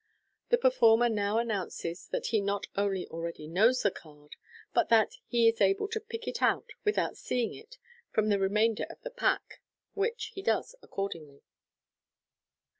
The performer now announces that he not only already knows the card, but that he is able to pick it out without seeing it from the remainder of the pack, which he does accordingly.